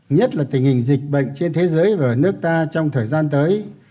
nhất là tình hình dịch bệnh trên thế giới và nước ta trong thời gian tới